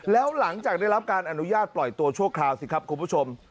แล้วหลังจากได้รับการอนุญาตปล่อยตัวชั่วคราวสิครับคุณผู้ชม